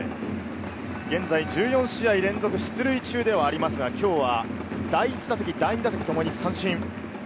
現在１４試合連続出塁中ではありますが、今日は第１打席、第２打席ともに三振。